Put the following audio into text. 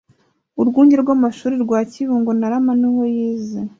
Urwunge rw’amashuri rwa Kibungo Ntarama niho yize